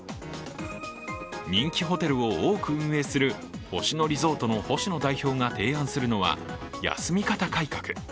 人気ホテルを多く運営する星野リゾートの星野代表が提案するのは休み方改革。